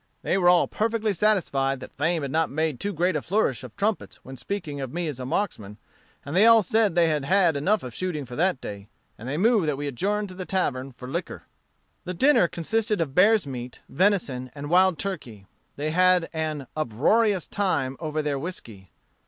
They were all perfectly satisfied that fame had not made too great a flourish of trumpets when speaking of me as a marksman: and they all said they had enough of shooting for that day, and they moved that we adjourn to the tavern and liquor." The dinner consisted of bear's meat, venison, and wild turkey. They had an "uproarious" time over their whiskey.